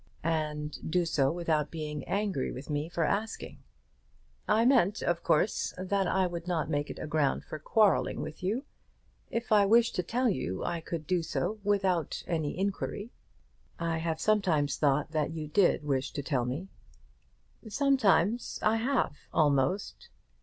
"And do so without being angry with me for asking." "I meant, of course, that I would not make it a ground for quarrelling with you. If I wished to tell you I could do so without any inquiry." "I have sometimes thought that you did wish to tell me." "Sometimes I have, almost."